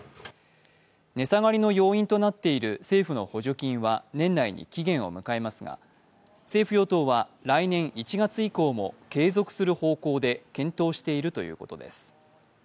値下がりの要因となっている政府の補助金は年内に期限を迎えますが政府・与党は来年１月以降も継続する方向で検討しているということです。